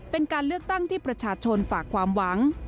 เป็นการเลือกตั้งที่ประชาชนฝากความหวัง